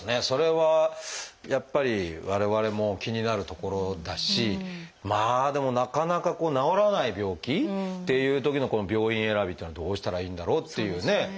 それはやっぱり我々も気になるところだしまあでもなかなか治らない病気っていうときの病院選びっていうのはどうしたらいいんだろうっていうね。